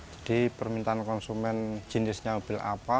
jadi permintaan konsumen jenisnya mobil apa